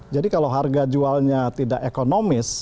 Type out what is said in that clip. jadi kalau harga jualnya tidak ekonomis